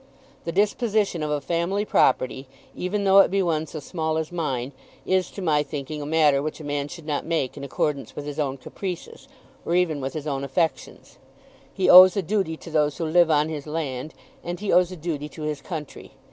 The disposition of a family property, even though it be one so small as mine, is, to my thinking, a matter which a man should not make in accordance with his own caprices, or even with his own affections. He owes a duty to those who live on his land, and he owes a duty to his country.